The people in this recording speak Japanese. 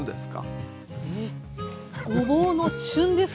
ええ⁉ごぼうの旬ですか。